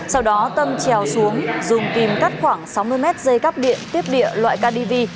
sau đó tâm trèo xuống dùng kim cắt khoảng sáu mươi m dây cắp điện tiếp địa loại kdv